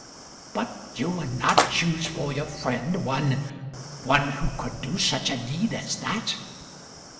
"But you would not choose for your friend one one who could do such a deed as that?"